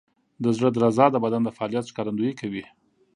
د زړه درزا د بدن د فعالیت ښکارندویي کوي.